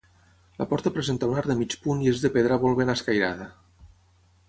La porta presenta un arc de mig punt i és de pedra molt ben escairada.